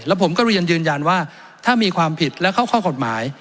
ผมก็เรียนยืนยันว่าถ้ามีความผิดและเข้าข้อกฎหมาย